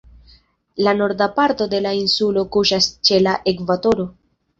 La Norda parto de la insulo kuŝas ĉe la ekvatoro.